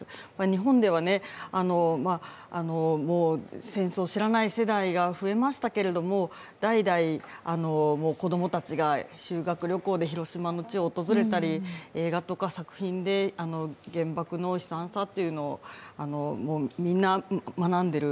日本では、戦争を知らない世代が増えましたけれども代々子供たちが修学旅行で広島の地を訪れたり映画とか作品で原爆の悲惨さをみんな学んでいる。